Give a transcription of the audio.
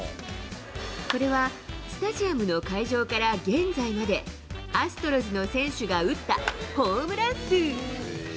これは、スタジアムの開場から現在まで、アストロズの選手が打ったホームラン数。